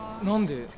何で？